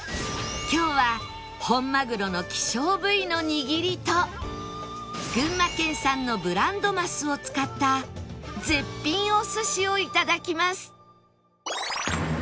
今日は本マグロの希少部位の握りと群馬県産のブランドマスを使った絶品お寿司を頂きます